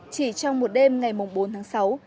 chỉ trong một đêm ngày bốn tháng sáu